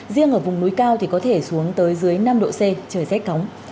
riêng ở vùng núi cao thì có thể xuống tới dưới năm độ c trời rét cóng